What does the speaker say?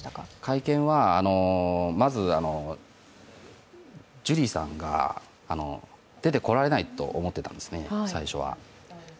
会見は、まずジュリーさんが出てこられないと思ってたんですね、最初は。